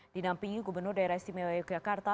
di dampingi gubernur daerah istimewa yogyakarta